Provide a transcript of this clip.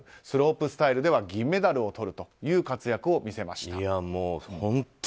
スロープスタイルでは銀メダルをとるという活躍を見せました。